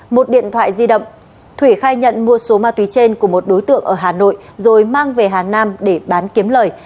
một điện thoại di động thủy khai nhận mua số ma túy trên của một đối tượng ở hà nội rồi mang về hà nam để bán kiếm lời